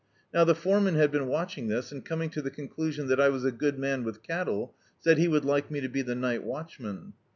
Now the foreman bad been watching this, and coming to the conclusion that I was a good man with cattle, said he would like me to be the night watchman.